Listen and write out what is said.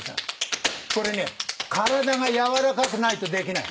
これね体がやわらかくないとできない。